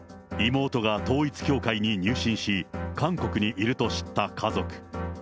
妹が統一教会に入信し、韓国にいると知った家族。